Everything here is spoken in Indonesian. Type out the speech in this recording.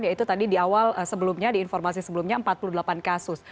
yaitu tadi di awal sebelumnya di informasi sebelumnya empat puluh delapan kasus